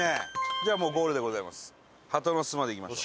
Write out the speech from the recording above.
じゃあもうゴールでございます。